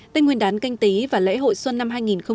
tết nguyên đán canh tý và lễ hội xuân năm hai nghìn hai mươi